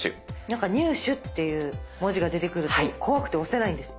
なんか入手っていう文字が出てくると怖くて押せないんです。